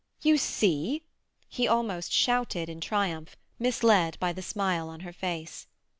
"You see!" He almost shouted in triumph, misled by the smile on her face.